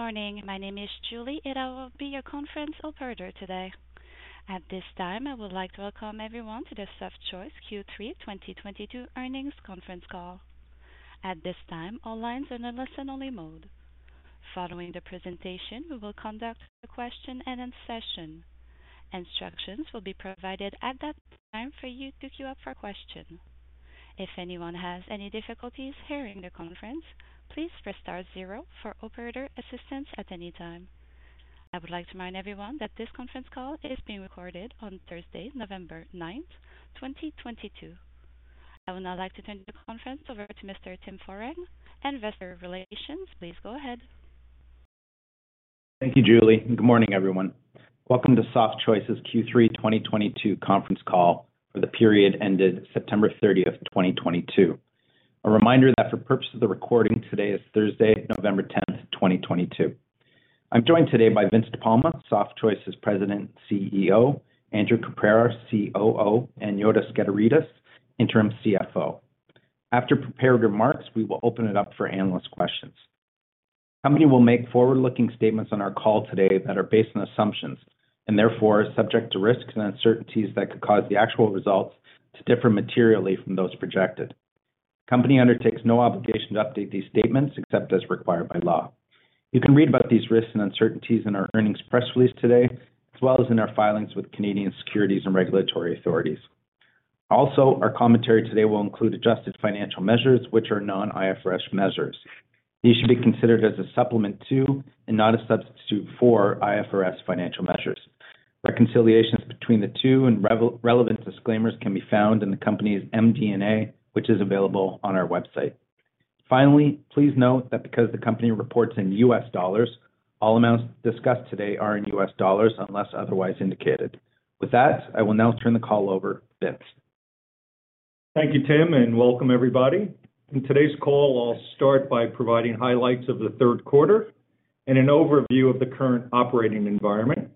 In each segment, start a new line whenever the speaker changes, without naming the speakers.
Good morning. My name is Julie, and I will be your conference operator today. At this time, I would like to welcome everyone to the Softchoice Q3 2022 earnings conference call. At this time, all lines are in a listen-only mode. Following the presentation, we will conduct a question and answer session. Instructions will be provided at that time for you to queue up for a question. If anyone has any difficulties hearing the conference, please press star zero for operator assistance at any time. I would like to remind everyone that this conference call is being recorded on Thursday, November 9th, 2022. I would now like to turn the conference over to Mr. Tim Foran, Investor Relations. Please go ahead.
Thank you, Julie, and good morning everyone. Welcome to Softchoice's Q3 2022 conference call for the period ended September 30th, 2022. A reminder that for purposes of the recording, today is Thursday, November 10th, 2022. I'm joined today by Vince De Palma, Softchoice's President and CEO, Andrew Caprara, COO, and Yota Skederidis, Interim CFO. After prepared remarks, we will open it up for analyst questions. The company will make forward-looking statements on our call today that are based on assumptions and therefore are subject to risks and uncertainties that could cause the actual results to differ materially from those projected. The company undertakes no obligation to update these statements except as required by law. You can read about these risks and uncertainties in our earnings press release today, as well as in our filings with Canadian securities and regulatory authorities. Also, our commentary today will include adjusted financial measures, which are non-IFRS measures. These should be considered as a supplement to and not a substitute for IFRS financial measures. Reconciliations between the two and relevant disclaimers can be found in the company's MD&A, which is available on our website. Finally, please note that because the company reports in U.S. dollars, all amounts discussed today are in U.S. dollars unless otherwise indicated. With that, I will now turn the call over to Vince.
Thank you, Tim, and welcome everybody. In today's call, I'll start by providing highlights of the third quarter and an overview of the current operating environment.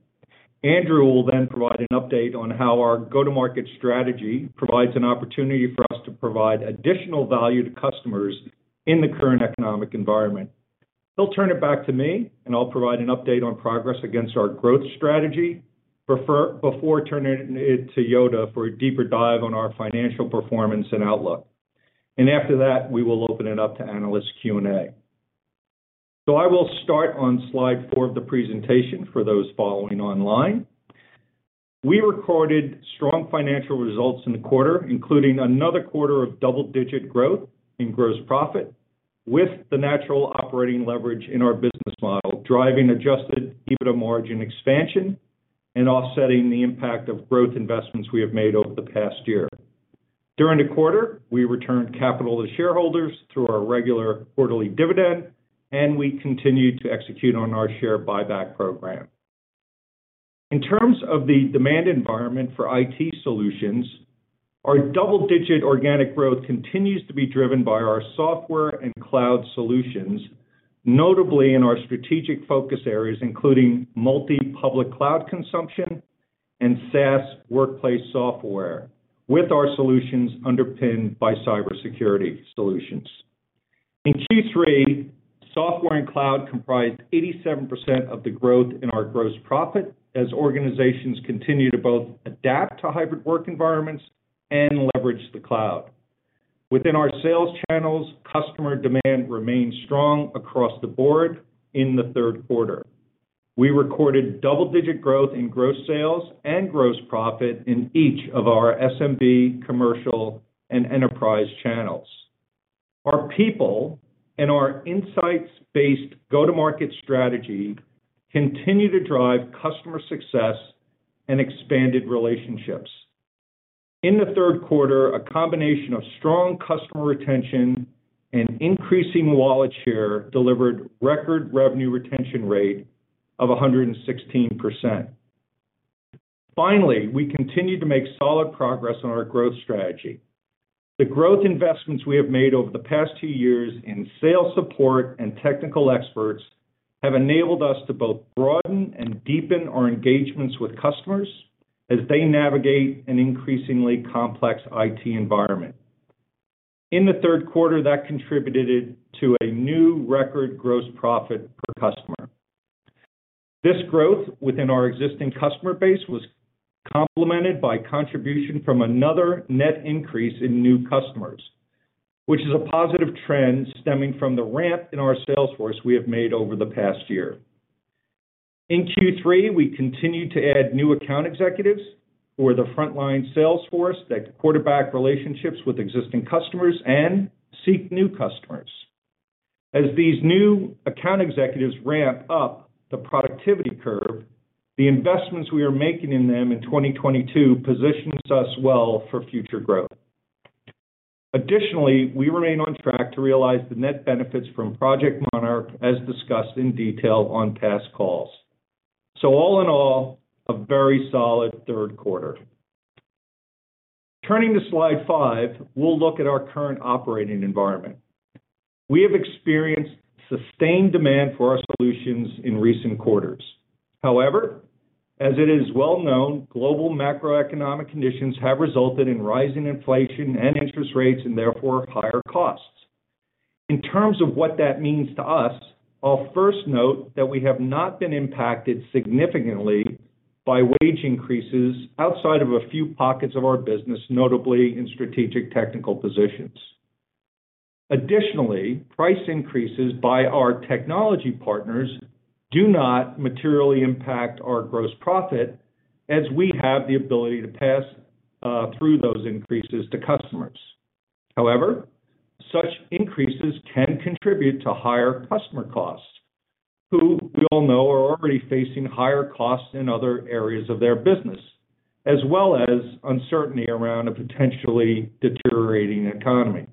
Andrew will then provide an update on how our go-to-market strategy provides an opportunity for us to provide additional value to customers in the current economic environment. He'll turn it back to me, and I'll provide an update on progress against our growth strategy before turning it to Yota for a deeper dive on our financial performance and outlook. After that, we will open it up to analyst Q&A. I will start on slide four of the presentation for those following online. We recorded strong financial results in the quarter, including another quarter of double-digit growth in gross profit, with the natural operating leverage in our business model, driving adjusted EBITDA margin expansion and offsetting the impact of growth investments we have made over the past year. During the quarter, we returned capital to shareholders through our regular quarterly dividend, and we continued to execute on our share buyback program. In terms of the demand environment for IT solutions, our double-digit organic growth continues to be driven by our software and cloud solutions, notably in our strategic focus areas, including multi-public cloud consumption and SaaS workplace software with our solutions underpinned by cybersecurity solutions. In Q3, software and cloud comprised 87% of the growth in our gross profit as organizations continue to both adapt to hybrid work environments and leverage the cloud. Within our sales channels, customer demand remained strong across the board in the third quarter. We recorded double-digit growth in gross sales and gross profit in each of our SMB, commercial, and enterprise channels. Our people and our insights-based go-to-market strategy continue to drive customer success and expanded relationships. In the third quarter, a combination of strong customer retention and increasing wallet share delivered record revenue retention rate of 116%. Finally, we continued to make solid progress on our growth strategy. The growth investments we have made over the past two years in sales support and technical experts have enabled us to both broaden and deepen our engagements with customers as they navigate an increasingly complex IT environment. In the third quarter, that contributed to a new record gross profit per customer. This growth within our existing customer base was complemented by contribution from another net increase in new customers, which is a positive trend stemming from the ramp in our sales force we have made over the past year. In Q3, we continued to add new account executives who are the frontline sales force that quarterback relationships with existing customers and seek new customers. As these new account executives ramp up the productivity curve, the investments we are making in them in 2022 positions us well for future growth. Additionally, we remain on track to realize the net benefits from Project Monarch, as discussed in detail on past calls. All in all, a very solid third quarter. Turning to slide five, we'll look at our current operating environment. We have experienced sustained demand for our solutions in recent quarters. As it is well known, global macroeconomic conditions have resulted in rising inflation and interest rates, and therefore higher costs. In terms of what that means to us, I'll first note that we have not been impacted significantly by wage increases outside of a few pockets of our business, notably in strategic technical positions. Additionally, price increases by our technology partners do not materially impact our gross profit, as we have the ability to pass through those increases to customers. However, such increases can contribute to higher customer costs, who we all know are already facing higher costs in other areas of their business, as well as uncertainty around a potentially deteriorating economy.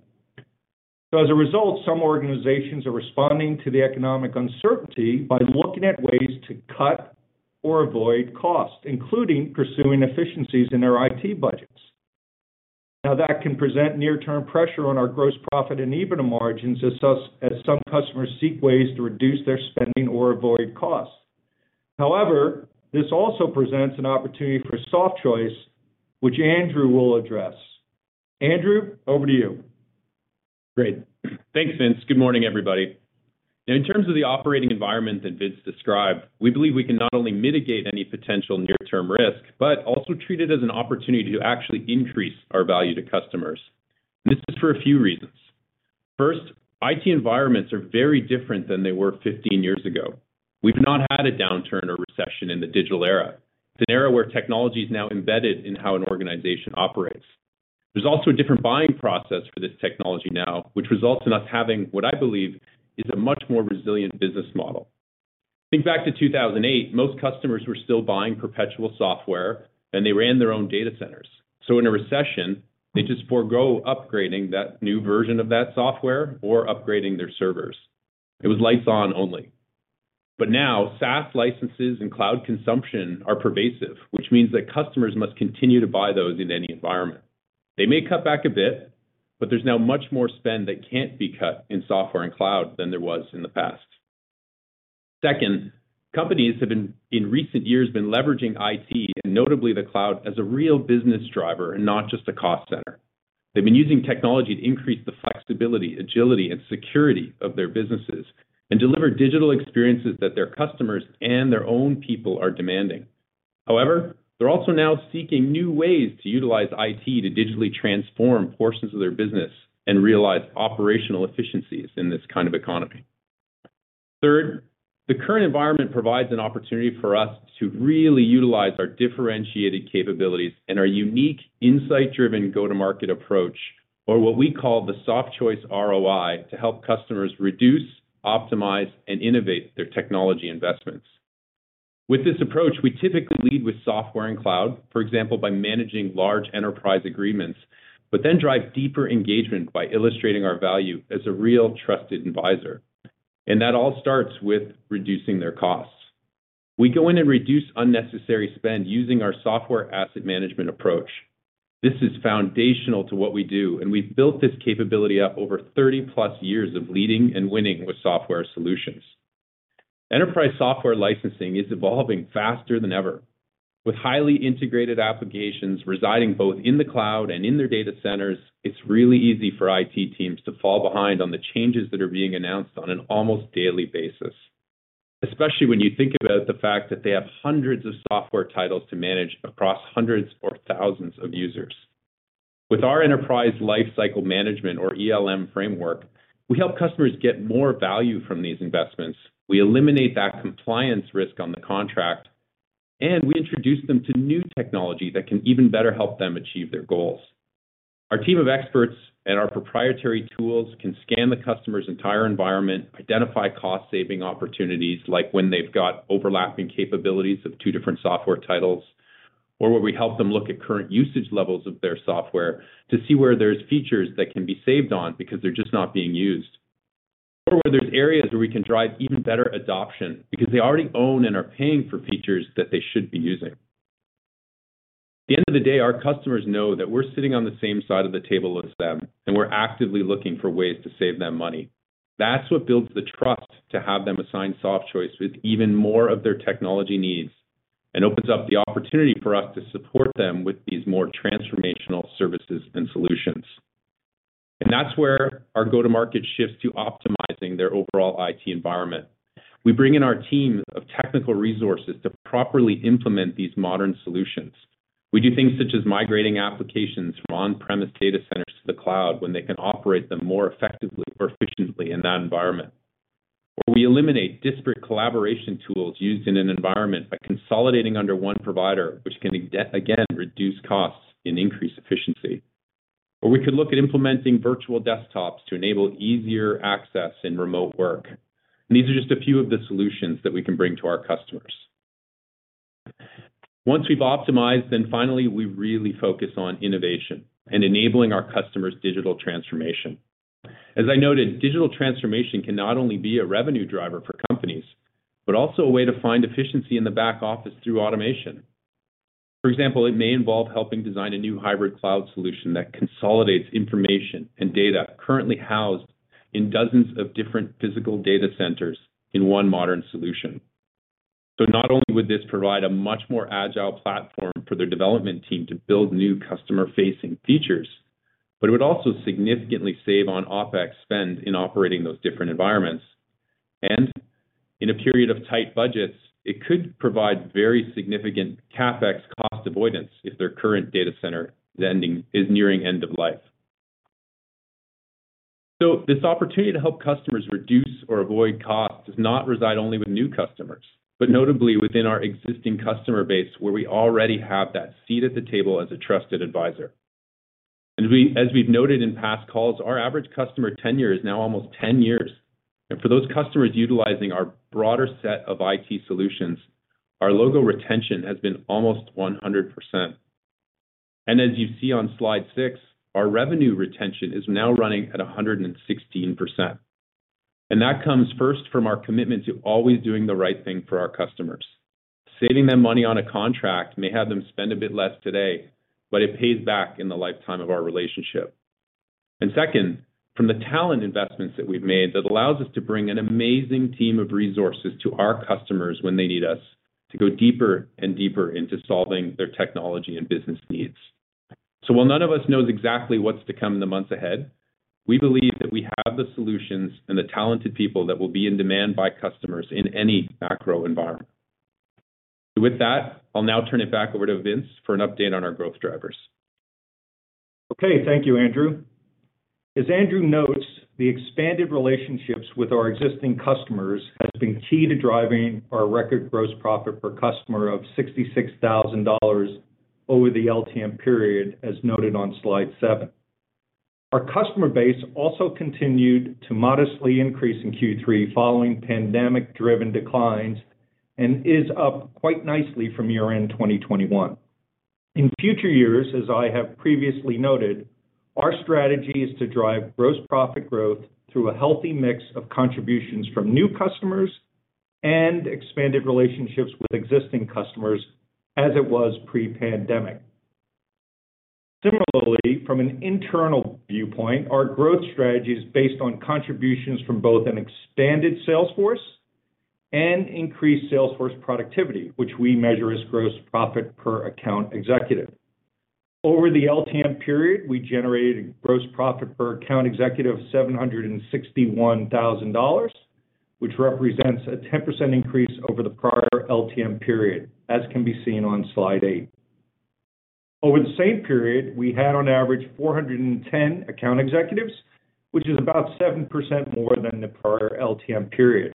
As a result, some organizations are responding to the economic uncertainty by looking at ways to cut or avoid costs, including pursuing efficiencies in their IT budgets. Now, that can present near-term pressure on our gross profit and EBITDA margins as some customers seek ways to reduce their spending or avoid costs. However, this also presents an opportunity for Softchoice, which Andrew will address. Andrew, over to you.
Great. Thanks, Vince. Good morning, everybody. In terms of the operating environment that Vince described, we believe we can not only mitigate any potential near-term risk, but also treat it as an opportunity to actually increase our value to customers. This is for a few reasons. First, IT environments are very different than they were 15 years ago. We've not had a downturn or recession in the digital era, an era where technology is now embedded in how an organization operates. There's also a different buying process for this technology now, which results in us having what I believe is a much more resilient business model. Think back to 2008, most customers were still buying perpetual software, and they ran their own data centers. In a recession, they just forego upgrading that new version of that software or upgrading their servers. It was lights on only. Now, SaaS licenses and cloud consumption are pervasive, which means that customers must continue to buy those in any environment. They may cut back a bit, but there's now much more spend that can't be cut in software and cloud than there was in the past. Second, companies have been, in recent years, leveraging IT and notably the cloud as a real business driver and not just a cost center. They've been using technology to increase the flexibility, agility, and security of their businesses and deliver digital experiences that their customers and their own people are demanding. However, they're also now seeking new ways to utilize IT to digitally transform portions of their business and realize operational efficiencies in this kind of economy. Third, the current environment provides an opportunity for us to really utilize our differentiated capabilities and our unique insight-driven go-to-market approach, or what we call the Softchoice ROI, to help customers reduce, optimize, and innovate their technology investments. With this approach, we typically lead with software and cloud, for example, by managing large enterprise agreements, but then drive deeper engagement by illustrating our value as a real trusted advisor. That all starts with reducing their costs. We go in and reduce unnecessary spend using our software asset management approach. This is foundational to what we do, and we've built this capability up over 30+ years of leading and winning with software solutions. Enterprise software licensing is evolving faster than ever. With highly integrated applications residing both in the cloud and in their data centers, it's really easy for IT teams to fall behind on the changes that are being announced on an almost daily basis, especially when you think about the fact that they have hundreds of software titles to manage across hundreds or thousands of users. With our enterprise lifecycle management or ELM framework, we help customers get more value from these investments. We eliminate that compliance risk on the contract, and we introduce them to new technology that can even better help them achieve their goals. Our team of experts and our proprietary tools can scan the customer's entire environment, identify cost-saving opportunities, like when they've got overlapping capabilities of two different software titles. Where we help them look at current usage levels of their software to see where there's features that can be saved on because they're just not being used, or where there's areas where we can drive even better adoption because they already own and are paying for features that they should be using. At the end of the day, our customers know that we're sitting on the same side of the table as them, and we're actively looking for ways to save them money. That's what builds the trust to have them assign Softchoice with even more of their technology needs and opens up the opportunity for us to support them with these more transformational services and solutions. that's where our go-to-market shifts to optimizing their overall IT environment. We bring in our team of technical resources to properly implement these modern solutions. We do things such as migrating applications from on-premise data centers to the cloud when they can operate them more effectively or efficiently in that environment. We eliminate disparate collaboration tools used in an environment by consolidating under one provider, which can again, reduce costs and increase efficiency. We could look at implementing virtual desktops to enable easier access in remote work. These are just a few of the solutions that we can bring to our customers. Once we've optimized, then finally, we really focus on innovation and enabling our customers' digital transformation. As I noted, digital transformation cannot only be a revenue driver for companies, but also a way to find efficiency in the back office through automation. For example, it may involve helping design a new hybrid cloud solution that consolidates information and data currently housed in dozens of different physical data centers in one modern solution. Not only would this provide a much more agile platform for their development team to build new customer-facing features, but it would also significantly save on OpEx spend in operating those different environments. In a period of tight budgets, it could provide very significant CapEx cost avoidance if their current data center is nearing end of life. This opportunity to help customers reduce or avoid costs does not reside only with new customers, but notably within our existing customer base, where we already have that seat at the table as a trusted advisor. As we've noted in past calls, our average customer tenure is now almost 10 years. For those customers utilizing our broader set of IT solutions, our logo retention has been almost 100%. As you see on slide six, our revenue retention is now running at 116%. That comes first from our commitment to always doing the right thing for our customers. Saving them money on a contract may have them spend a bit less today, but it pays back in the lifetime of our relationship. Second, from the talent investments that we've made that allows us to bring an amazing team of resources to our customers when they need us to go deeper and deeper into solving their technology and business needs. While none of us knows exactly what's to come in the months ahead, we believe that we have the solutions and the talented people that will be in demand by customers in any macro environment. With that, I'll now turn it back over to Vince for an update on our growth drivers.
Okay. Thank you, Andrew. As Andrew notes, the expanded relationships with our existing customers has been key to driving our record gross profit per customer of $66,000 over the LTM period, as noted on slide seven. Our customer base also continued to modestly increase in Q3 following pandemic-driven declines, and is up quite nicely from year-end 2021. In future years, as I have previously noted, our strategy is to drive gross profit growth through a healthy mix of contributions from new customers and expanded relationships with existing customers as it was pre-pandemic. Similarly, from an internal viewpoint, our growth strategy is based on contributions from both an expanded sales force and increased sales force productivity, which we measure as gross profit per account executive. Over the LTM period, we generated gross profit per account executive of $761,000, which represents a 10% increase over the prior LTM period, as can be seen on Slide 8. Over the same period, we had on average 410 account executives, which is about 7% more than the prior LTM period.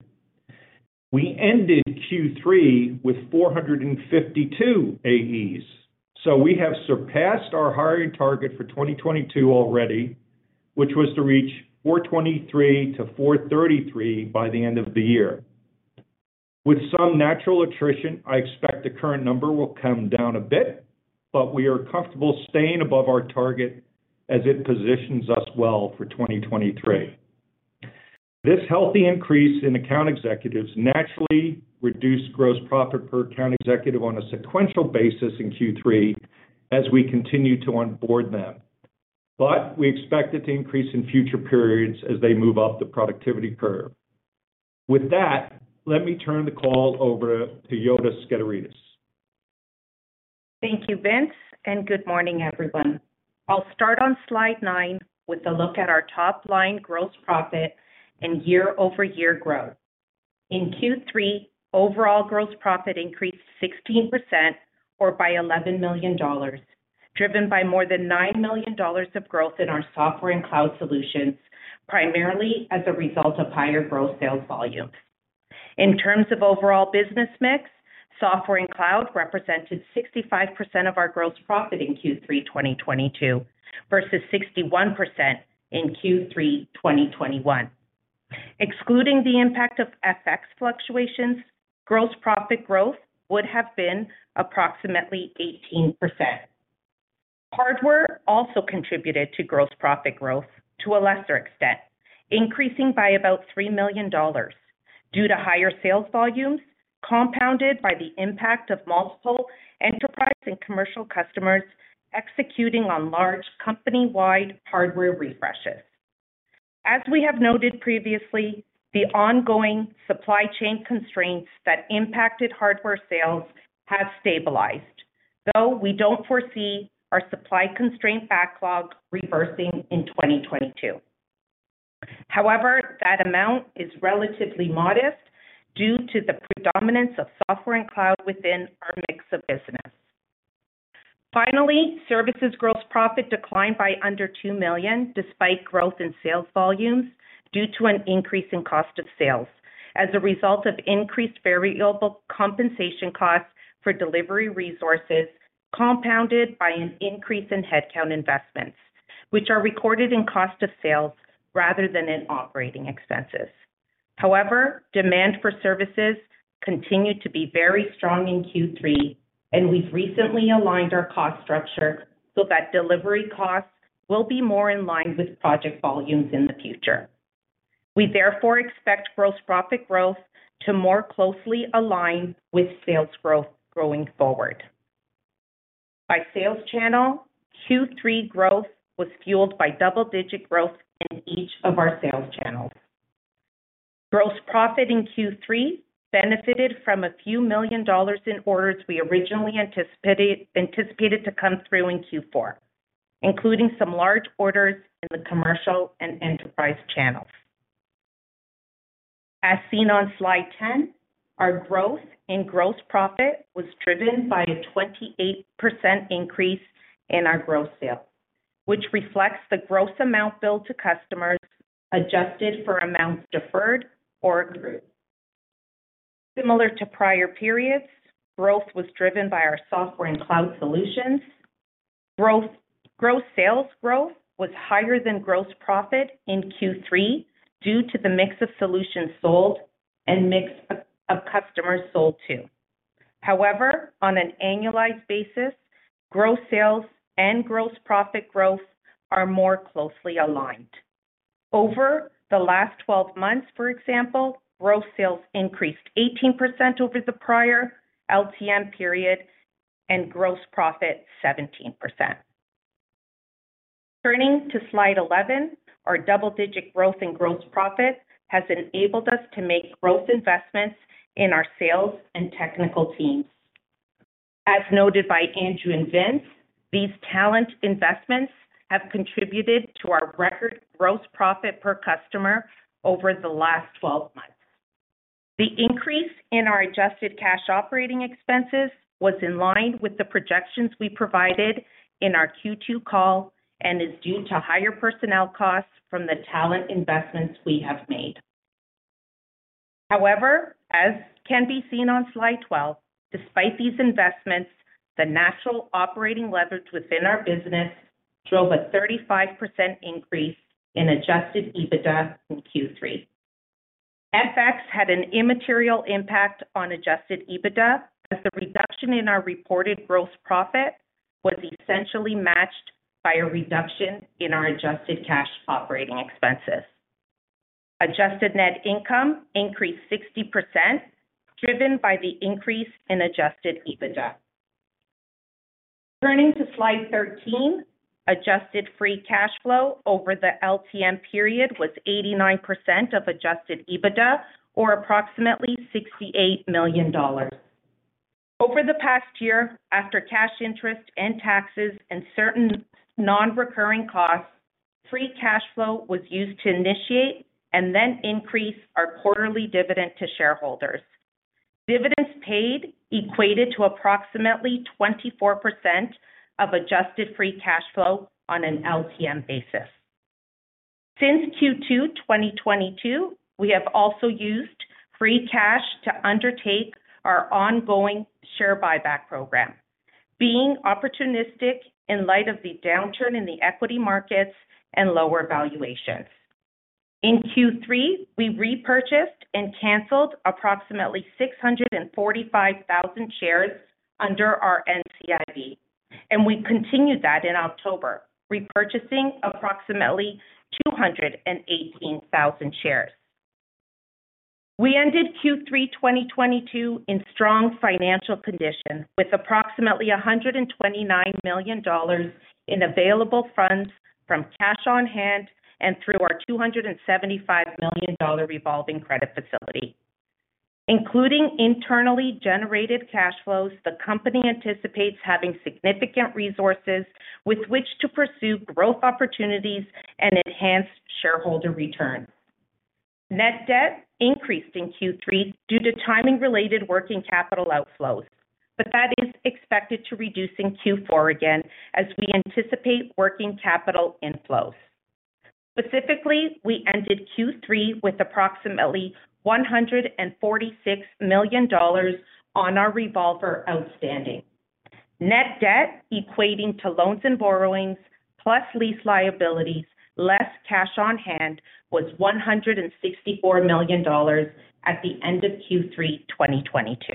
We ended Q3 with 452 AEs. We have surpassed our hiring target for 2022 already, which was to reach 423-433 by the end of the year. With some natural attrition, I expect the current number will come down a bit, but we are comfortable staying above our target as it positions us well for 2023. This healthy increase in account executives naturally reduced gross profit per account executive on a sequential basis in Q3 as we continue to onboard them. We expect it to increase in future periods as they move up the productivity curve. With that, let me turn the call over to Yota Skederidis.
Thank you, Vince, and good morning, everyone. I'll start on slide nine with a look at our top-line gross profit and year-over-year growth. In Q3, overall gross profit increased 16% or by $11 million, driven by more than $9 million of growth in our software and cloud solutions, primarily as a result of higher gross sales volume. In terms of overall business mix, software and cloud represented 65% of our gross profit in Q3 2022 versus 61% in Q3 2021. Excluding the impact of FX fluctuations, gross profit growth would have been approximately 18%. Hardware also contributed to gross profit growth to a lesser extent, increasing by about $3 million due to higher sales volumes, compounded by the impact of multiple enterprise and commercial customers executing on large company-wide hardware refreshes. As we have noted previously, the ongoing supply chain constraints that impacted hardware sales have stabilized. Though we don't foresee our supply constraint backlog reversing in 2022. However, that amount is relatively modest due to the predominance of software and cloud within our mix of business. Finally, services gross profit declined by under $2 million despite growth in sales volumes due to an increase in cost of sales as a result of increased variable compensation costs for delivery resources, compounded by an increase in headcount investments, which are recorded in cost of sales rather than in operating expenses. However, demand for services continued to be very strong in Q3, and we've recently aligned our cost structure so that delivery costs will be more in line with project volumes in the future. We therefore expect gross profit growth to more closely align with sales growth going forward. By sales channel, Q3 growth was fueled by double-digit growth in each of our sales channels. Gross profit in Q3 benefited from a few million in orders we originally anticipated to come through in Q4, including some large orders in the commercial and enterprise channels. As seen on Slide 10, our growth in gross profit was driven by a 28% increase in our gross sales, which reflects the gross amount billed to customers, adjusted for amounts deferred or accrued. Similar to prior periods, growth was driven by our software and cloud solutions. Gross sales growth was higher than gross profit in Q3 due to the mix of solutions sold and mix of customers sold to. However, on an annualized basis, gross sales and gross profit growth are more closely aligned. Over the last 12 months, for example, gross sales increased 18% over the prior LTM period, and gross proit 17%. Turning to slide 11, our double-digit growth in gross profit has enabled us to make growth investments in our sales and technical teams. As noted by Andrew and Vince, these talent investments have contributed to our record gross profit per customer over the last 12 months. The increase in our adjusted cash operating expenses was in line with the projections we provided in our Q2 call and is due to higher personnel costs from the talent investments we have made. However, as can be seen on slide 12, despite these investments, the natural operating leverage within our business drove a 35% increase in adjusted EBITDA in Q3. FX had an immaterial impact on adjusted EBITDA as the reduction in our reported gross profit was essentially matched by a reduction in our adjusted cash operating expenses. Adjusted net income increased 60%, driven by the increase in adjusted EBITDA. Turning to slide 13, adjusted free cash flow over the LTM period was 89% of adjusted EBITDA or approximately $68 million. Over the past year, after cash interest and taxes and certain non-recurring costs, free cash flow was used to initiate and then increase our quarterly dividend to shareholders. Dividends paid equated to approximately 24% of adjusted free cash flow on an LTM basis. Since Q2 2022, we have also used free cash to undertake our ongoing share buyback program, being opportunistic in light of the downturn in the equity markets and lower valuations. In Q3, we repurchased and canceled approximately 645,000 shares under our NCIB, and we continued that in October, repurchasing approximately 218,000 shares. We ended Q3 2022 in strong financial condition with approximately $129 million in available funds from cash on hand and through our $275 million revolving credit facility. Including internally generated cash flows, the company anticipates having significant resources with which to pursue growth opportunities and enhance shareholder return. Net debt increased in Q3 due to timing-related working capital outflows, but that is expected to reduce in Q4 again as we anticipate working capital inflows. Specifically, we ended Q3 with approximately $146 million on our revolver outstanding. Net debt equating to loans and borrowings plus lease liabilities less cash on hand was $164 million at the end of Q3 2022.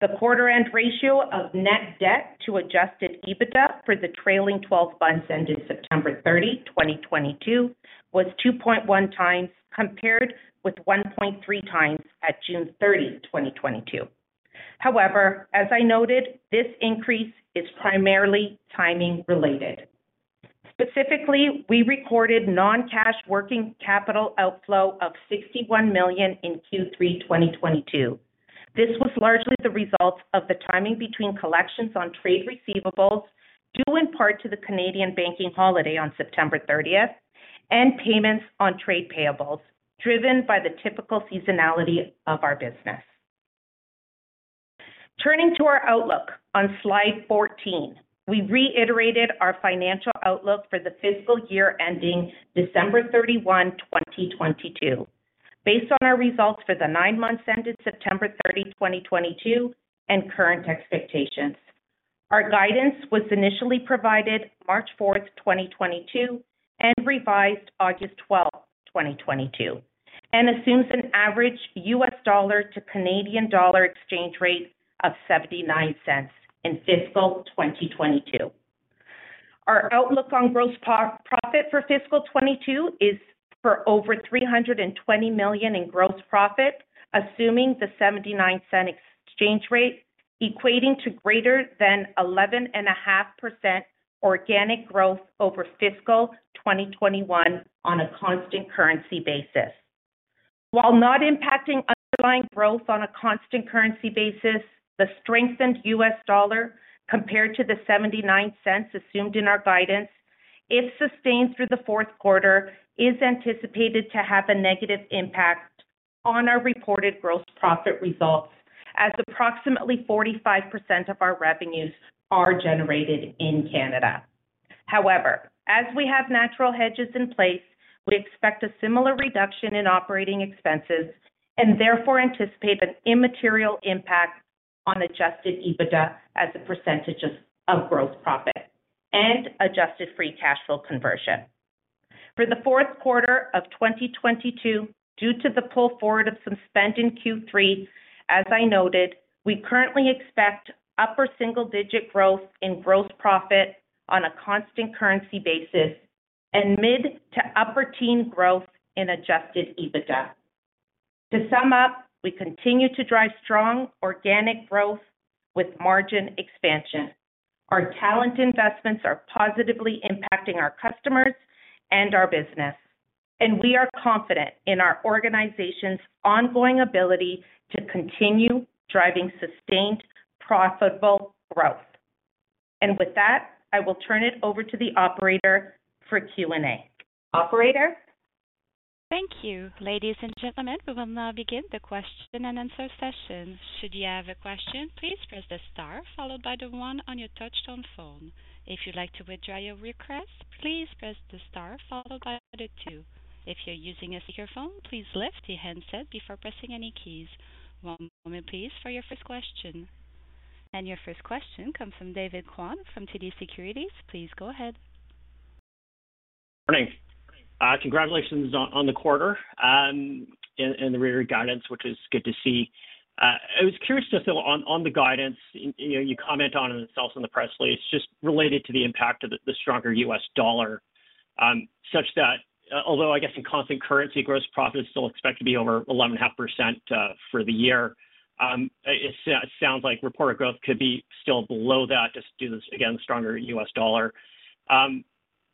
The quarter-end ratio of net debt to adjusted EBITDA for the trailing twelve months ending September 13th, 2022, was 2.1x compared with 1.3x at June 13th, 2022. However, as I noted, this increase is primarily timing related. Specifically, we recorded non-cash working capital outflow of $61 million in Q3 2022. This was largely the result of the timing between collections on trade receivables, due in part to the Canadian banking holiday on September thirtieth, and payments on trade payables driven by the typical seasonality of our business. Turning to our outlook on slide 14, we reiterated our financial outlook for the fiscal year ending December 31, 2022, based on our results for the nine months ended September 30, 2022, and current expectations. Our guidance was initially provided March 4th, 2022, and revised August 12th, 2022, and assumes an average U.S. dollar to Canadian dollar exchange rate of 0.79 in fiscal 2022. Our outlook on gross profit for fiscal 2022 is for over $320 million in gross profit, assuming the 0.79 exchange rate, equating to greater than 11.5% organic growth over fiscal 2021 on a constant currency basis. While not impacting underlying growth on a constant currency basis, the strengthened U.S. dollar compared to the $0.79 assumed in our guidance, if sustained through the fourth quarter, is anticipated to have a negative impact on our reported gross profit results as approximately 45% of our revenues are generated in Canada. However, as we have natural hedges in place, we expect a similar reduction in operating expenses and therefore anticipate an immaterial impact on adjusted EBITDA as a percentage of gross profit and adjusted free cash flow conversion. For the fourth quarter of 2022, due to the pull forward of some spend in Q3, as I noted, we currently expect upper single-digit growth in gross profit on a constant currency basis and mid- to upper-teen growth in adjusted EBITDA. To sum up, we continue to drive strong organic growth with margin expansion. Our talent investments are positively impacting our customers and our business, and we are confident in our organization's ongoing ability to continue driving sustained, profitable growth. With that, I will turn it over to the operator for Q&A. Operator?
Thank you. Ladies and gentlemen, we will now begin the question-and-answer session. Should you have a question, please press the star followed by the one on your touchtone phone. If you'd like to withdraw your request, please press the star followed by the two. If you're using a speakerphone, please lift the handset before pressing any keys. One moment please for your first question. Your first question comes from David Kwan from TD Securities. Please go ahead.
Morning. Congratulations on the quarter and the year guidance, which is good to see. I was curious just on the guidance. You know, you comment on it itself in the press release, just related to the impact of the stronger U.S. dollar, such that although I guess in constant currency, gross profit is still expected to be over 11.5% for the year. It sounds like reported growth could be still below that just due to, again, the stronger U.S. dollar.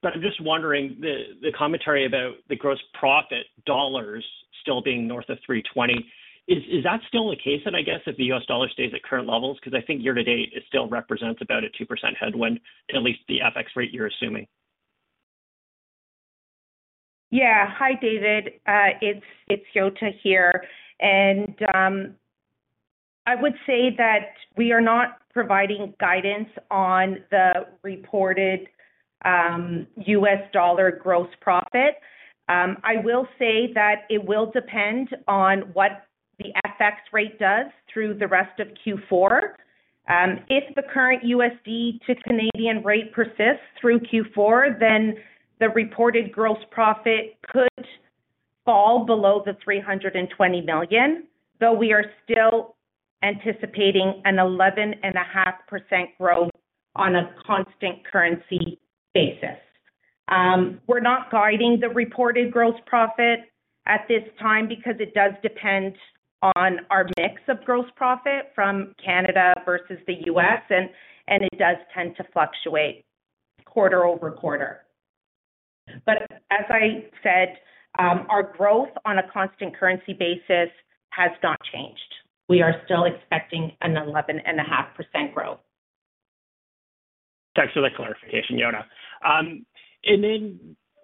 But I'm just wondering the commentary about the gross profit dollars still being north of $320 million. Is that still the case then, I guess, if the U.S. dollar stays at current levels because I think year to date it still represents about a 2% headwind, at least the FX rate you're assuming.
Yeah. Hi, David. It's Yota here. I would say that we are not providing guidance on the reported U.S. dollar gross profit. I will say that it will depend on what the FX rate does through the rest of Q4. If the current USD to Canadian rate persists through Q4, then the reported gross profit could fall below $300 million, though we are still anticipating 11.5% growth on a constant currency basis. We're not guiding the reported gross profit at this time because it does depend on our mix of gross profit from Canada versus the U.S., and it does tend to fluctuate quarter-over-quarter. As I said, our growth on a constant currency basis has not changed. We are still expecting 11.5% growth.
Thanks for the clarification, Yota.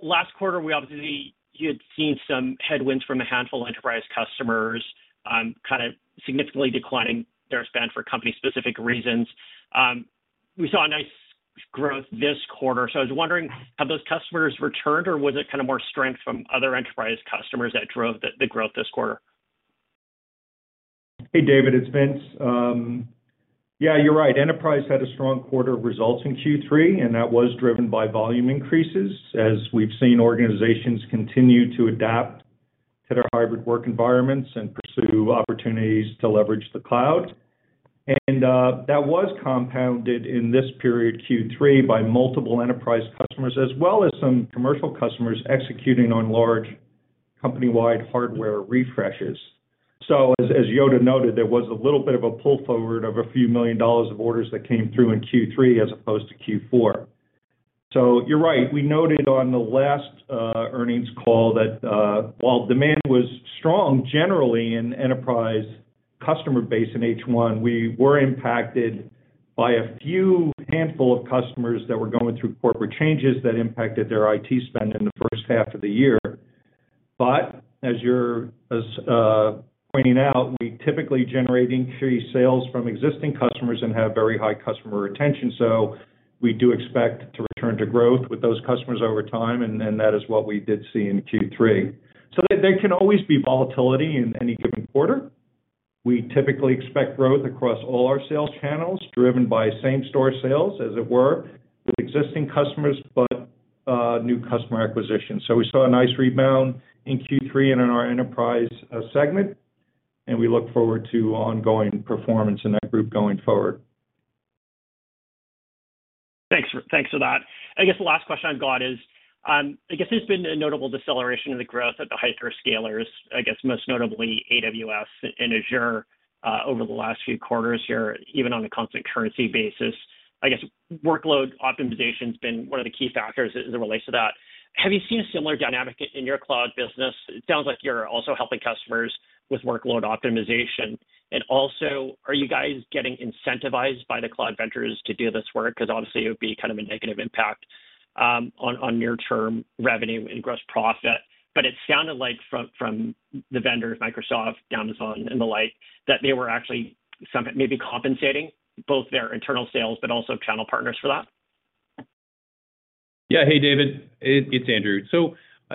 Last quarter, you had seen some headwinds from a handful of enterprise customers kind of significantly declining their spend for company-specific reasons. We saw a nice growth this quarter. I was wondering, have those customers returned or was it kind of more strength from other enterprise customers that drove the growth this quarter?
Hey, David, it's Vince. Yeah, you're right. Enterprise had a strong quarter of results in Q3, and that was driven by volume increases as we've seen organizations continue to adapt to their hybrid work environments and pursue opportunities to leverage the cloud. That was compounded in this period, Q3, by multiple enterprise customers as well as some commercial customers executing on large company-wide hardware refreshes. As Yota noted, there was a little bit of a pull forward of a few million dollars of orders that came through in Q3 as opposed to Q4. You're right, we noted on the last earnings call that while demand was strong generally in enterprise customer base in H1, we were impacted by a few handful of customers that were going through corporate changes that impacted their IT spend in the first half of the year. As you're pointing out, we typically generate increased sales from existing customers and have very high customer retention. We do expect to return to growth with those customers over time, and that is what we did see in Q3. There can always be volatility in any given quarter. We typically expect growth across all our sales channels, driven by same-store sales, as it were, with existing customers, but new customer acquisitions. We saw a nice rebound in Q3 and in our enterprise segment. We look forward to ongoing performance in that group going forward.
Thanks for that. I guess the last question I've got is, I guess there's been a notable deceleration in the growth of the hyperscalers, I guess most notably AWS and Azure, over the last few quarters here, even on a constant currency basis. I guess workload optimization's been one of the key factors as it relates to that. Have you seen a similar dynamic in your cloud business? It sounds like you're also helping customers with workload optimization. Are you guys getting incentivized by the cloud vendors to do this work? 'Cause obviously, it would be kind of a negative impact on near-term revenue and gross profit. It sounded like from the vendors, Microsoft, Amazon, and the like, that they were actually somewhat compensating both their internal sales but also channel partners for that.
Yeah. Hey, David, it's Andrew.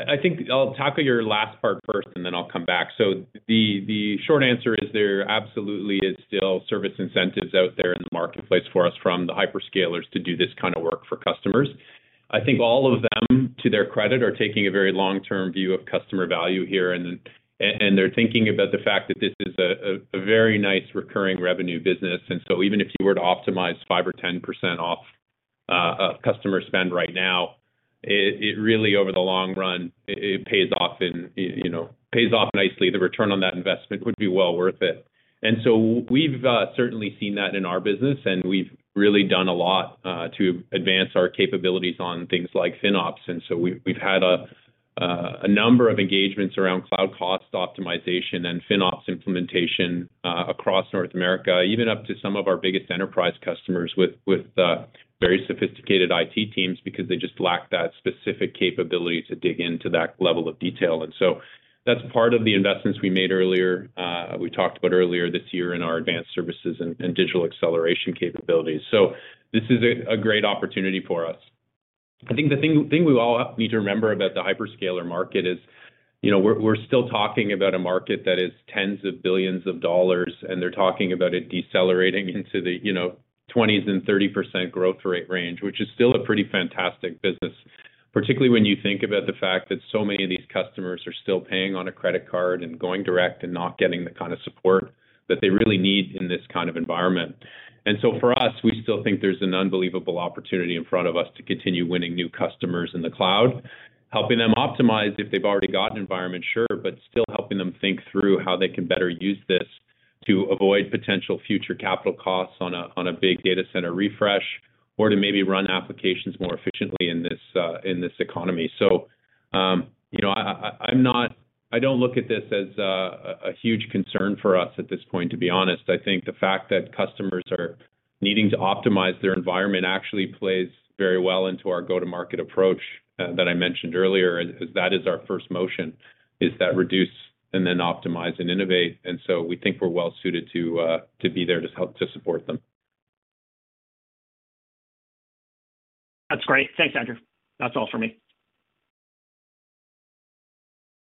I think I'll tackle your last part first, and then I'll come back. The short answer is there absolutely is still service incentives out there in the marketplace for us from the hyperscalers to do this kind of work for customers. I think all of them, to their credit, are taking a very long-term view of customer value here, and they're thinking about the fact that this is a very nice recurring revenue business. Even if you were to optimize 5% or 10% off customer spend right now, it really over the long run pays off, you know, pays off nicely. The return on that investment would be well worth it. We've certainly seen that in our business, and we've really done a lot to advance our capabilities on things like FinOps. We've had a number of engagements around cloud cost optimization and FinOps implementation across North America, even up to some of our biggest enterprise customers with very sophisticated IT teams because they just lack that specific capability to dig into that level of detail. That's part of the investments we made earlier, we talked about earlier this year in our advanced services and digital acceleration capabilities. This is a great opportunity for us. I think the thing we all need to remember about the hyperscaler market is, you know, we're still talking about a market that is tens of billions of dollars, and they're talking about it decelerating into the, you know, 20%s and 30% growth rate range, which is still a pretty fantastic business, particularly when you think about the fact that so many of these customers are still paying on a credit card and going direct and not getting the kind of support that they really need in this kind of environment. For us, we still think there's an unbelievable opportunity in front of us to continue winning new customers in the cloud, helping them optimize if they've already got an environment, sure, but still helping them think through how they can better use this to avoid potential future capital costs on a big data center refresh or to maybe run applications more efficiently in this economy. You know, I don't look at this as a huge concern for us at this point, to be honest. I think the fact that customers are needing to optimize their environment actually plays very well into our go-to-market approach, that I mentioned earlier, and that is our first motion, is that reduce and then optimize and innovate. We think we're well suited to be there to help to support them.
That's great. Thanks, Andrew. That's all for me.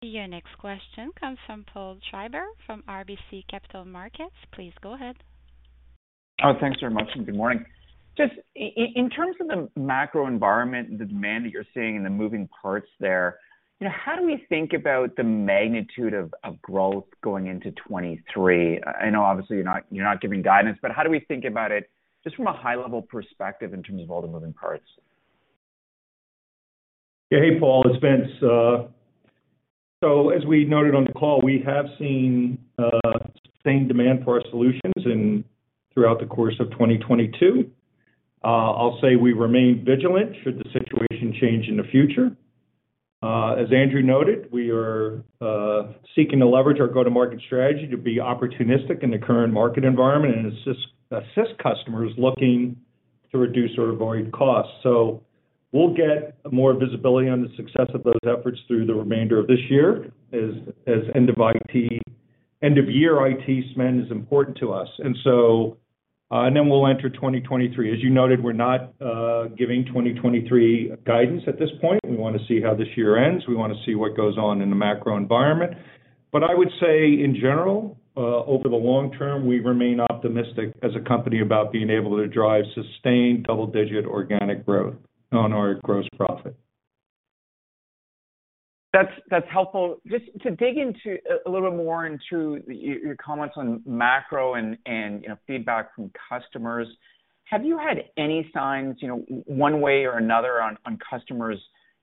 Your next question comes from Paul Treiber from RBC Capital Markets. Please go ahead.
Oh, thanks very much, and good morning. Just in terms of the macro environment and the demand that you're seeing and the moving parts there, you know, how do we think about the magnitude of growth going into 2023? I know obviously you're not giving guidance, but how do we think about it just from a high-level perspective in terms of all the moving parts?
Yeah. Hey, Paul, it's Vince. As we noted on the call, we have seen sustained demand for our solutions throughout the course of 2022. I'll say we remain vigilant should the situation change in the future. As Andrew noted, we are seeking to leverage our go-to-market strategy to be opportunistic in the current market environment and assist customers looking to reduce or avoid costs. We'll get more visibility on the success of those efforts through the remainder of this year as end of year IT spend is important to us. We'll enter 2023. As you noted, we're not giving 2023 guidance at this point. We wanna see how this year ends. We wanna see what goes on in the macro environment. I would say in general, over the long term, we remain optimistic as a company about being able to drive sustained double-digit organic growth on our gross profit.
That's helpful. Just to dig into a little bit more into your comments on macro and, you know, feedback from customers, have you had any signs, you know, one way or another on customers',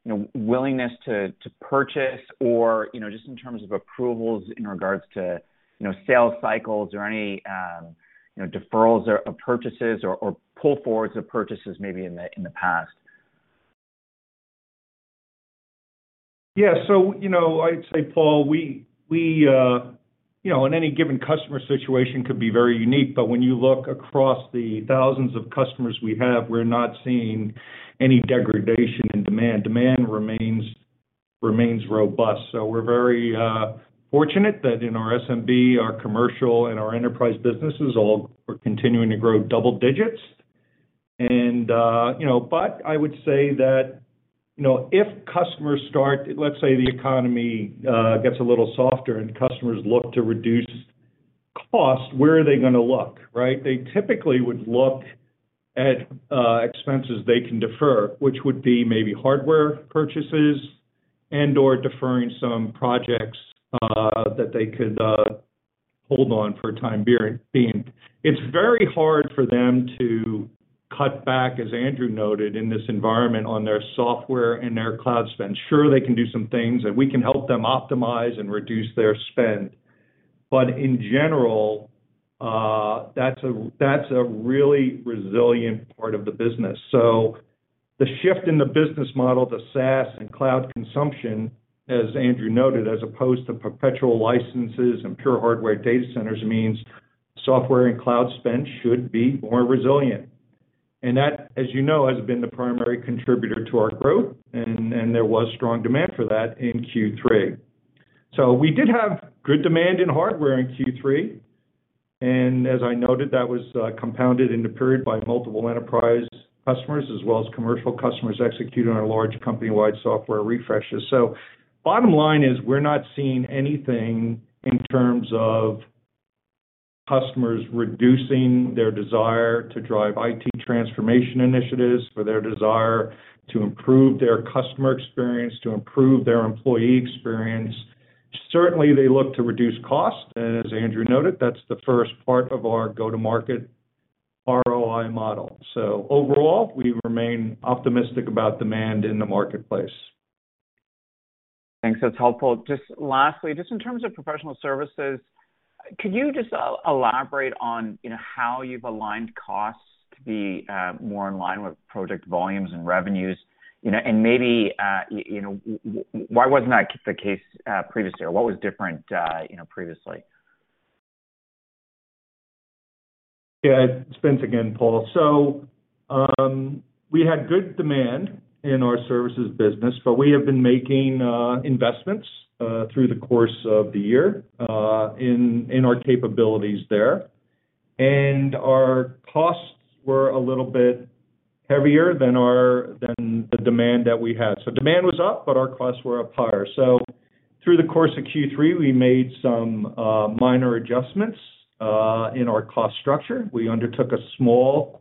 you know, willingness to purchase or, you know, just in terms of approvals in regards to, you know, sales cycles or any, you know, deferrals or of purchases or pull forwards of purchases maybe in the past?
Yeah. You know, I'd say, Paul, we, you know, in any given customer situation could be very unique, but when you look across the thousands of customers we have, we're not seeing any degradation in demand. Demand remains robust. We're very fortunate that in our SMB, our commercial, and our enterprise businesses all are continuing to grow double digits. You know, but I would say that, you know, let's say the economy gets a little softer and customers look to reduce cost, where are they gonna look, right? They typically would look. Expenses they can defer, which would be maybe hardware purchases and/or deferring some projects that they could hold on for a time being. It's very hard for them to cut back, as Andrew noted, in this environment on their software and their cloud spend. Sure, they can do some things, and we can help them optimize and reduce their spend. But in general, that's a really resilient part of the business. So the shift in the business model, the SaaS and cloud consumption, as Andrew noted, as opposed to perpetual licenses and pure hardware data centers, means software and cloud spend should be more resilient. That, as you know, has been the primary contributor to our growth, and there was strong demand for that in Q3. We did have good demand in hardware in Q3, and as I noted, that was compounded in the period by multiple enterprise customers as well as commercial customers executing our large company-wide software refreshes. Bottom line is we're not seeing anything in terms of customers reducing their desire to drive IT transformation initiatives, or their desire to improve their customer experience, to improve their employee experience. Certainly, they look to reduce cost. As Andrew noted, that's the first part of our go-to-market ROI model. Overall, we remain optimistic about demand in the marketplace.
Thanks. That's helpful. Just lastly, in terms of professional services, could you just elaborate on, you know, how you've aligned costs to be more in line with project volumes and revenues? You know, and maybe, you know, why wasn't that the case previously, or what was different, you know, previously?
Yeah. It's Vince again, Paul. We had good demand in our services business, but we have been making investments through the course of the year in our capabilities there. Our costs were a little bit heavier than the demand that we had. Demand was up, but our costs were up higher. Through the course of Q3, we made some minor adjustments in our cost structure. We undertook a small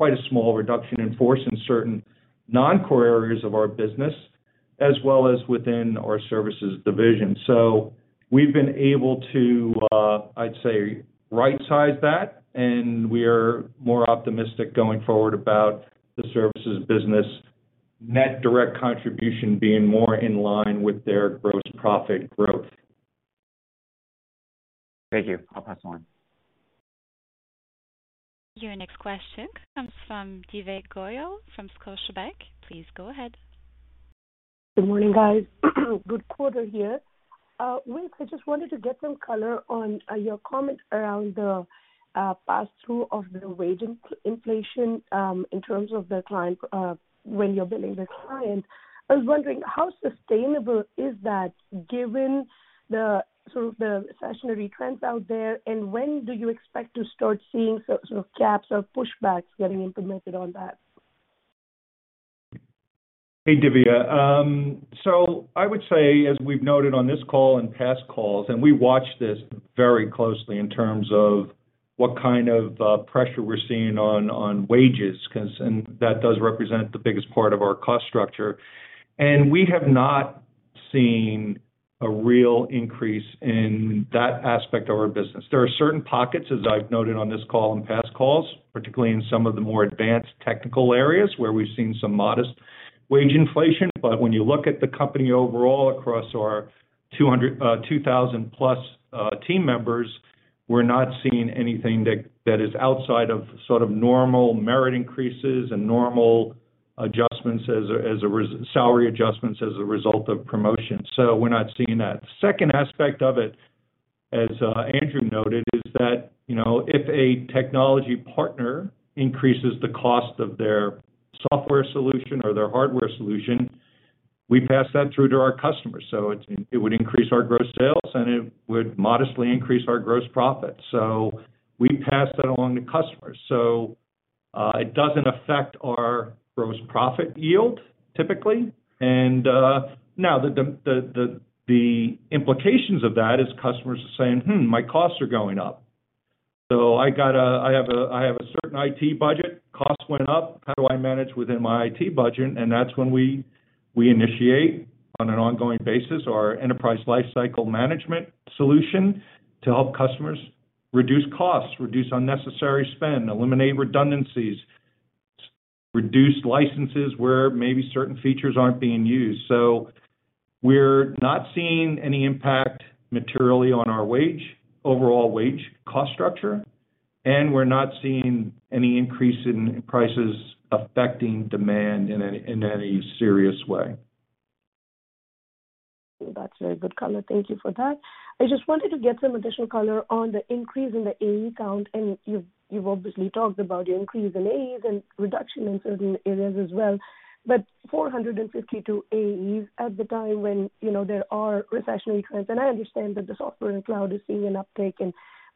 reduction in force in certain non-core areas of our business, as well as within our services division. We've been able to right-size that, and we are more optimistic going forward about the services business net direct contribution being more in line with their gross profit growth.
Thank you. I'll pass on.
Your next question comes from Divya Goyal from Scotiabank. Please go ahead.
Good morning, guys. Good quarter here. Vince, I just wanted to get some color on your comment around the pass-through of the wage inflation in terms of the client when you're billing the client. I was wondering, how sustainable is that given the sort of recessionary trends out there, and when do you expect to start seeing some sort of gaps or pushbacks getting implemented on that?
Hey, Divya. I would say, as we've noted on this call and past calls, we watch this very closely in terms of what kind of pressure we're seeing on wages, because that does represent the biggest part of our cost structure. We have not seen a real increase in that aspect of our business. There are certain pockets, as I've noted on this call and past calls, particularly in some of the more advanced technical areas, where we've seen some modest wage inflation. But when you look at the company overall across our 2,000+ team members, we're not seeing anything that is outside of sort of normal merit increases and normal salary adjustments as a result of promotion. We're not seeing that. Second aspect of it, as Andrew noted, is that, you know, if a technology partner increases the cost of their software solution or their hardware solution, we pass that through to our customers. It would increase our gross sales, and it would modestly increase our gross profit. We pass that along to customers. It doesn't affect our gross profit yield, typically. Now the implications of that is customers are saying, "Hmm, my costs are going up. I have a certain IT budget. Cost went up. How do I manage within my IT budget?" That's when we initiate on an ongoing basis our enterprise lifecycle management solution to help customers reduce costs, reduce unnecessary spend, eliminate redundancies, reduce licenses where maybe certain features aren't being used. We're not seeing any impact materially on our wage, overall wage cost structure, and we're not seeing any increase in prices affecting demand in any serious way.
That's a very good color. Thank you for that. I just wanted to get some additional color on the increase in the AE count, and you've obviously talked about your increase in AEs and reduction in certain areas as well. 452 AEs at the time when, you know, there are recessionary trends, and I understand that the software and cloud is seeing an uptake,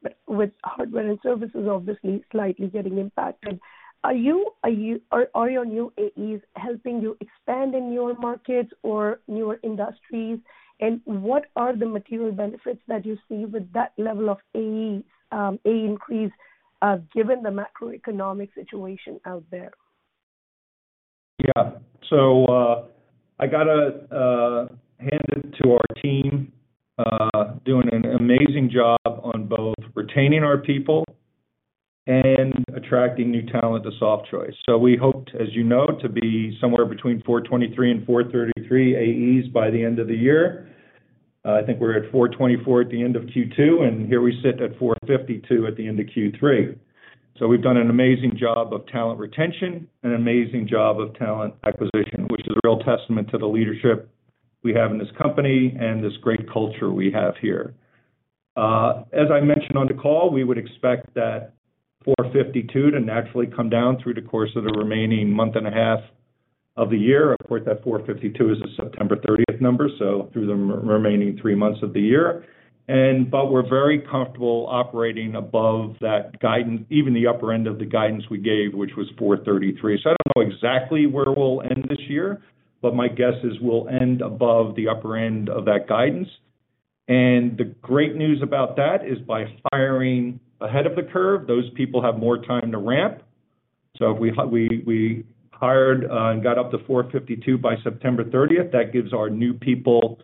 but with hardware and services obviously slightly getting impacted. Are your new AEs helping you expand in newer markets or newer industries? And what are the material benefits that you see with that level of AE increase given the macroeconomic situation out there?
I gotta hand it to our team, doing an amazing job on both retaining our people and attracting new talent to Softchoice. We hoped, as you know, to be somewhere between 423 and 433 AEs by the end of the year. I think we're at 424 at the end of Q2, and here we sit at 452 at the end of Q3. We've done an amazing job of talent retention, an amazing job of talent acquisition, which is a real testament to the leadership we have in this company and this great culture we have here. As I mentioned on the call, we would expect that 452 to naturally come down through the course of the remaining month and a half of the year. Of course, that 452 is a September thirtieth number, so through the remaining three months of the year. We're very comfortable operating above that guidance, even the upper end of the guidance we gave, which was 433. I don't know exactly where we'll end this year, but my guess is we'll end above the upper end of that guidance. The great news about that is by hiring ahead of the curve, those people have more time to ramp. If we hired and got up to 452 by September 30th, that gives our new people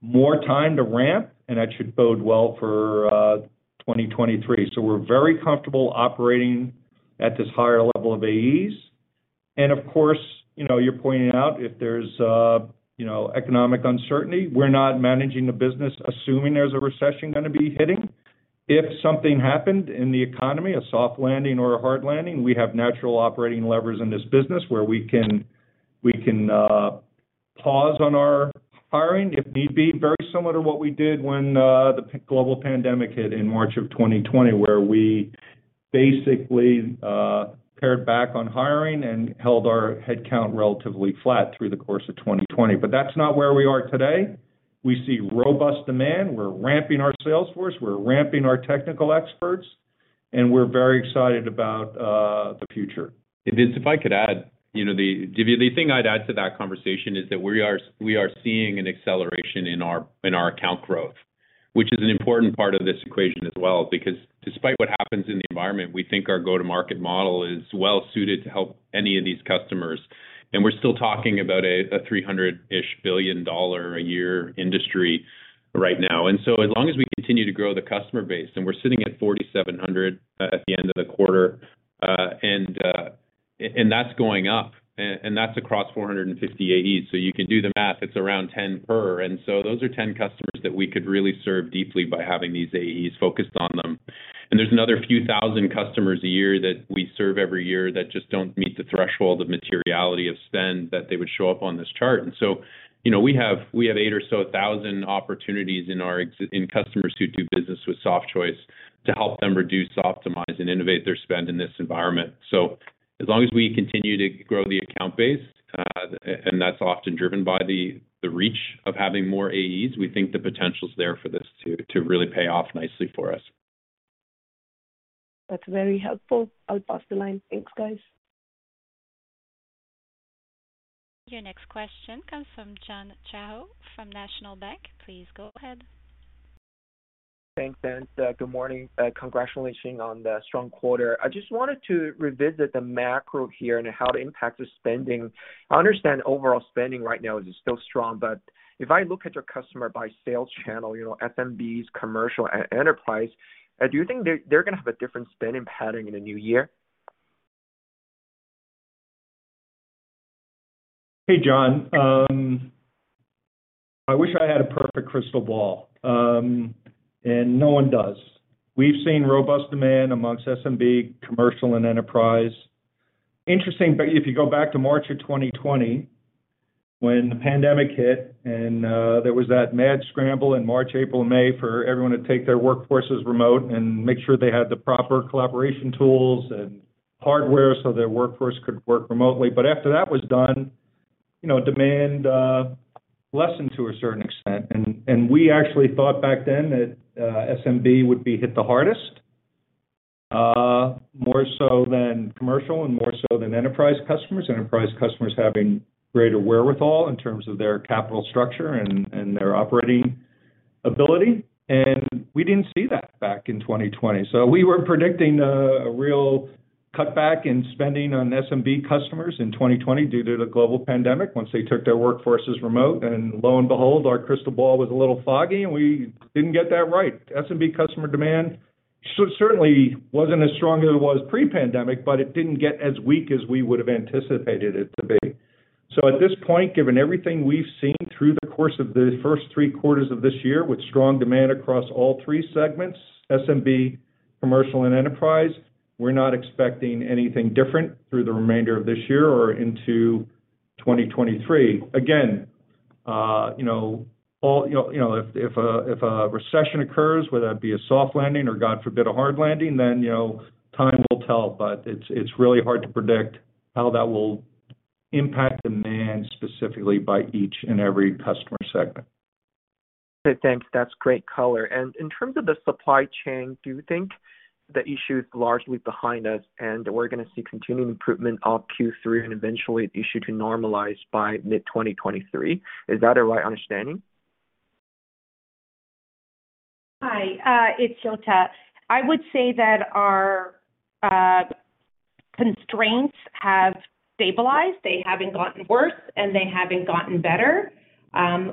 more time to ramp, and that should bode well for 2023. We're very comfortable operating at this higher level of AEs. Of course, you know, you're pointing out if there's, you know, economic uncertainty, we're not managing the business assuming there's a recession gonna be hitting. If something happened in the economy, a soft landing or a hard landing, we have natural operating levers in this business where we can pause on our hiring if need be, very similar to what we did when the global pandemic hit in March of 2020, where we basically pared back on hiring and held our head count relatively flat through the course of 2020. That's not where we are today. We see robust demand. We're ramping our sales force, we're ramping our technical experts, and we're very excited about the future.
If I could add. You know, Divya, the thing I'd add to that conversation is that we are seeing an acceleration in our account growth, which is an important part of this equation as well, because despite what happens in the environment, we think our go-to-market model is well suited to help any of these customers. We're still talking about a $300-ish billion a year industry right now. As long as we continue to grow the customer base, and we're sitting at 4,700 at the end of the quarter, and that's going up, and that's across 450 AEs. You can do the math, it's around 10 per. Those are 10 customers that we could really serve deeply by having these AEs focused on them. There's another few thousand customers a year that we serve every year that just don't meet the threshold of materiality of spend that they would show up on this chart. You know, we have eight or so 1,000 opportunities in customers who do business with Softchoice to help them reduce, optimize, and innovate their spend in this environment. As long as we continue to grow the account base, and that's often driven by the reach of having more AEs, we think the potential is there for this to really pay off nicely for us.
That's very helpful. I'll pass the line. Thanks, guys.
Your next question comes from John Shao from National Bank. Please go ahead.
Thanks, good morning. Congratulations on the strong quarter. I just wanted to revisit the macro here and how it impacts the spending. I understand overall spending right now is still strong, but if I look at your customer by sales channel, you know, SMBs, commercial, and enterprise, do you think they're gonna have a different spending pattern in the new year?
Hey, John. I wish I had a perfect crystal ball. No one does. We've seen robust demand among SMB, commercial, and enterprise. Interesting, but if you go back to March of 2020 when the pandemic hit and there was that mad scramble in March, April, and May for everyone to take their workforces remote and make sure they had the proper collaboration tools and hardware so their workforce could work remotely. After that was done, you know, demand lessened to a certain extent. We actually thought back then that SMB would be hit the hardest, more so than commercial and more so than enterprise customers. Enterprise customers having greater wherewithal in terms of their capital structure and their operating ability. We didn't see that back in 2020. We were predicting a real cutback in spending on SMB customers in 2020 due to the global pandemic once they took their workforces remote. Lo and behold, our crystal ball was a little foggy, and we didn't get that right. SMB customer demand certainly wasn't as strong as it was pre-pandemic, but it didn't get as weak as we would have anticipated it to be. At this point, given everything we've seen through the course of the first three quarters of this year with strong demand across all three segments, SMB, commercial, and enterprise, we're not expecting anything different through the remainder of this year or into 2023. Again, you know, if a recession occurs, whether that be a soft landing or, God forbid, a hard landing, then, you know, time will tell. It's really hard to predict how that will impact demand specifically by each and every customer segment.
Okay, thanks. That's great color. In terms of the supply chain, do you think the issue is largely behind us, and we're gonna see continued improvement of Q3 and eventually the issue to normalize by mid-2023? Is that a right understanding?
Hi, it's Yota. I would say that our constraints have stabilized. They haven't gotten worse, and they haven't gotten better.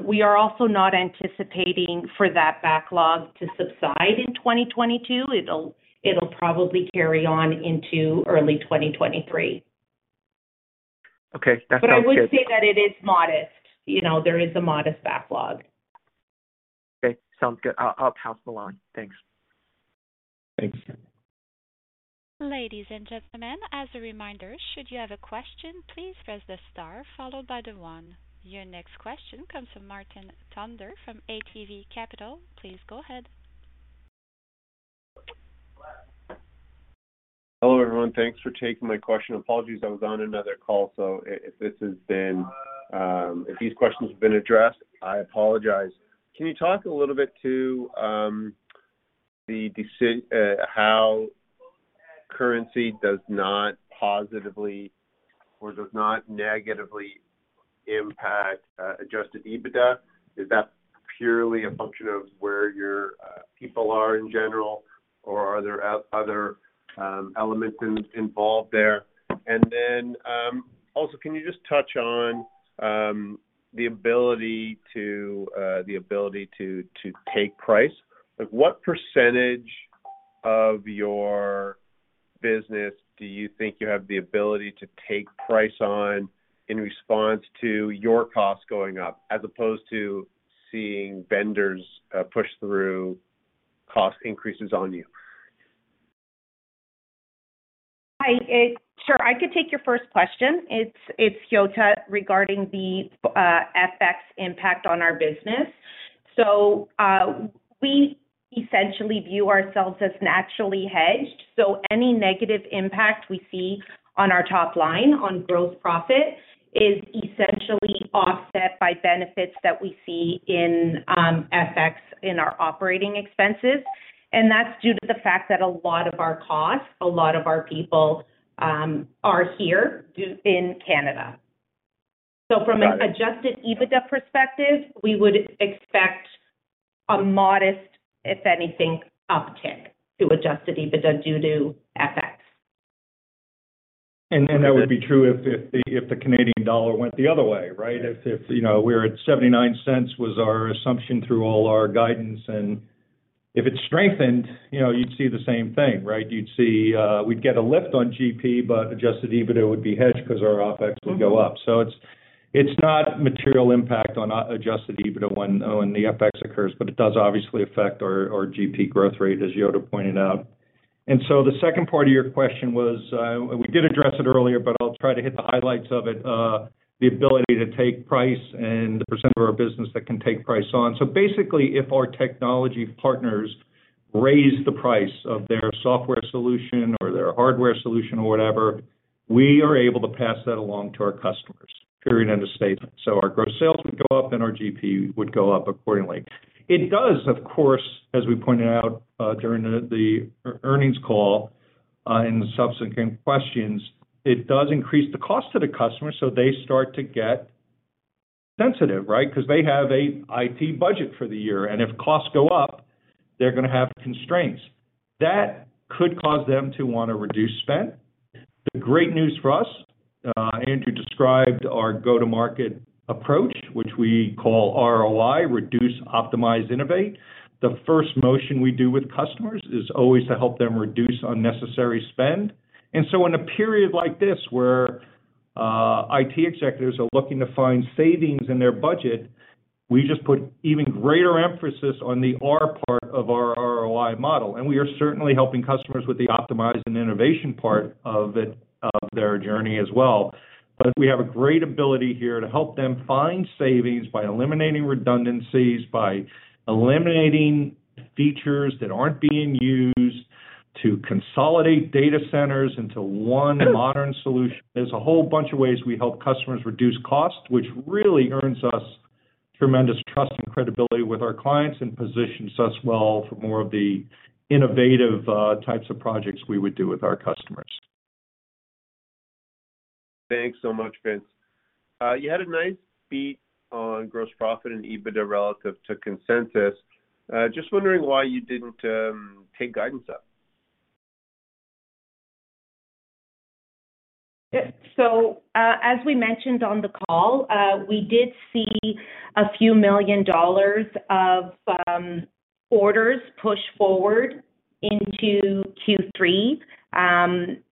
We are also not anticipating for that backlog to subside in 2022. It'll probably carry on into early 2023.
Okay. That sounds good.
I would say that it is modest. You know, there is a modest backlog.
Okay, sounds good. I'll pass along. Thanks.
Thanks.
Ladies and gentlemen, as a reminder, should you have a question, please press the star followed by the one. Your next question comes from Martin Toner from ATB Capital. Please go ahead.
Hello, everyone. Thanks for taking my question. Apologies, I was on another call, so if these questions have been addressed, I apologize. Can you talk a little bit to how currency does not positively or does not negatively impact adjusted EBITDA? Is that purely a function of where your people are in general, or are there other elements involved there? And then, also, can you just touch on the ability to take price? Like, what percentage of your business do you think you have the ability to take price on in response to your costs going up as opposed to seeing vendors push through cost increases on you?
Hi. Sure, I could take your first question. It's Yota regarding the FX impact on our business. We essentially view ourselves as naturally hedged. Any negative impact we see on our top line and gross profit is essentially offset by benefits that we see in FX on our operating expenses. That's due to the fact that a lot of our costs, a lot of our people, are here in Canada. From an adjusted EBITDA perspective, we would expect a modest, if anything, uptick to adjusted EBITDA due to FX.
That would be true if the Canadian dollar went the other way, right? You know, we're at 0,79 was our assumption through all our guidance. If it strengthened, you know, you'd see the same thing, right? You'd see we'd get a lift on GP, but adjusted EBITDA would be hedged because our OpEx would go up. It's not material impact on adjusted EBITDA when the FX occurs, but it does obviously affect our GP growth rate, as Yota pointed out. The second part of your question was we did address it earlier, but I'll try to hit the highlights of it. The ability to take price and the percent of our business that can take price on. Basically, if our technology partners raise the price of their software solution or their hardware solution or whatever, we are able to pass that along to our customers, period, end of statement. Our gross sales would go up, and our GP would go up accordingly. It does, of course, as we pointed out during the earnings call in the subsequent questions, it does increase the cost to the customer, so they start to get sensitive, right? Because they have a IT budget for the year, and if costs go up, they're gonna have constraints. That could cause them to wanna reduce spend. The great news for us, Andrew described our go-to-market approach, which we call ROI, reduce, optimize, innovate. The first motion we do with customers is always to help them reduce unnecessary spend. In a period like this, where IT executives are looking to find savings in their budget, we just put even greater emphasis on the R part of our ROI model. We are certainly helping customers with the optimization and innovation part of it, of their journey as well. We have a great ability here to help them find savings by eliminating redundancies, by eliminating features that aren't being used, to consolidate data centers into one modern solution. There's a whole bunch of ways we help customers reduce cost, which really earns us tremendous trust and credibility with our clients and positions us well for more of the innovative types of projects we would do with our customers.
Thanks so much, Vince. You had a nice beat on gross profit and EBITDA relative to consensus. Just wondering why you didn't take guidance up.
Yeah. As we mentioned on the call, we did see a few million dollars of orders push forward into Q3,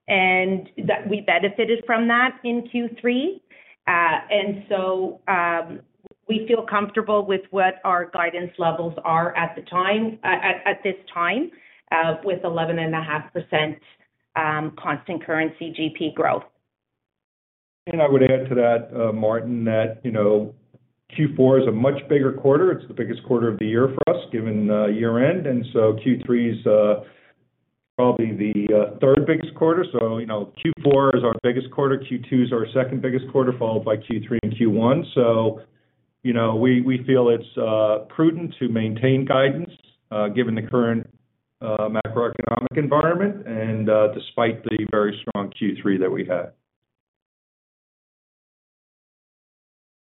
and that we benefited from that in Q3. We feel comfortable with what our guidance levels are at this time with 11.5% constant currency GP growth.
I would add to that, Martin, that, you know, Q4 is a much bigger quarter. It's the biggest quarter of the year for us, given year-end. Q3 is probably the third biggest quarter. You know, Q4 is our biggest quarter. Q2 is our second biggest quarter, followed by Q3 and Q1. You know, we feel it's prudent to maintain guidance, given the current macroeconomic environment and despite the very strong Q3 that we had.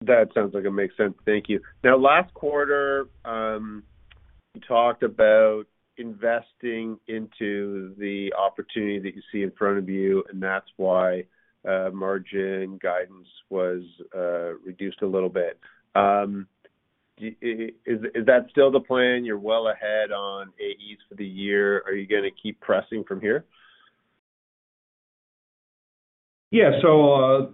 That sounds like it makes sense. Thank you. Now last quarter, you talked about investing into the opportunity that you see in front of you, and that's why margin guidance was reduced a little bit. Is that still the plan? You're well ahead on AEs for the year. Are you gonna keep pressing from here?
Yeah.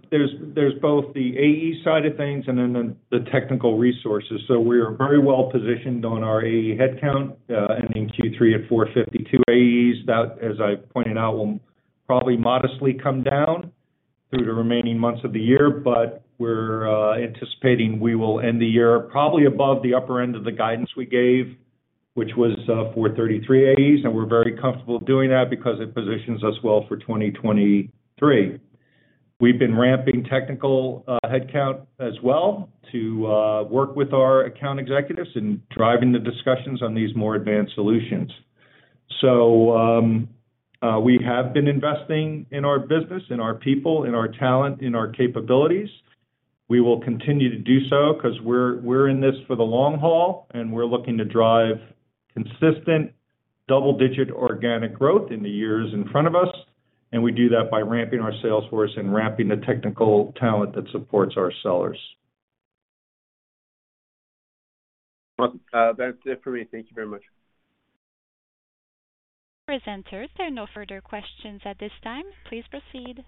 There's both the AE side of things and then the technical resources. We are very well positioned on our AE headcount, ending Q3 at 452 AEs. That, as I pointed out, will probably modestly come down through the remaining months of the year. We're anticipating we will end the year probably above the upper end of the guidance we gave, which was 433 AEs. We're very comfortable doing that because it positions us well for 2023. We've been ramping technical headcount as well to work with our account executives in driving the discussions on these more advanced solutions. We have been investing in our business, in our people, in our talent, in our capabilities. We will continue to do so 'cause we're in this for the long haul, and we're looking to drive consistent double-digit organic growth in the years in front of us, and we do that by ramping our sales force and ramping the technical talent that supports our sellers.
Well, that's it for me. Thank you very much.
Presenters, there are no further questions at this time. Please proceed.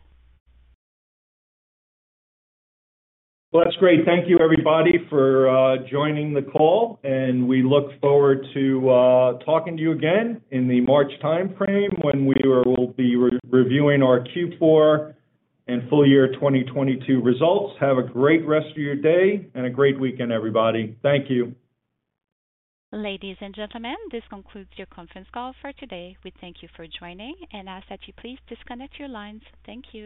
Well, that's great. Thank you everybody for joining the call, and we look forward to talking to you again in the March timeframe when we'll be re-reviewing our Q4 and full year 2022 results. Have a great rest of your day and a great weekend, everybody. Thank you.
Ladies and gentlemen, this concludes your conference call for today. We thank you for joining and ask that you please disconnect your lines. Thank you.